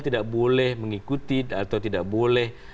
tidak boleh mengikuti atau tidak boleh